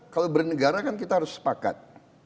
kalau bernegara kan kita harus sepakat